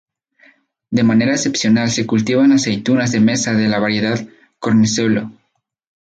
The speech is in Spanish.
De manera excepcional se cultivan aceitunas de mesa de la variedad cornezuelo.